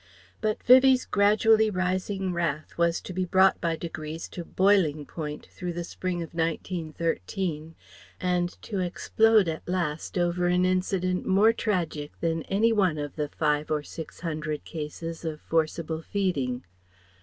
But Vivie's gradually rising wrath was to be brought by degrees to boiling point through the spring of 1913, and to explode at last over an incident more tragic than any one of the five or six hundred cases of forcible feeding.